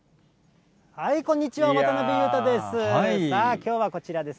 こんにちは、渡辺裕太です。